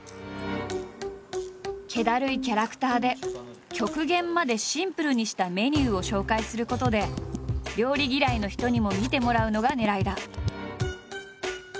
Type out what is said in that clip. けだるいキャラクターで極限までシンプルにしたメニューを紹介することで料理嫌いの人にも見てもらうのがねらいだ。